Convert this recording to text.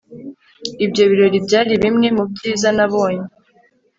Ibyo birori byari bimwe mubyiza nabonye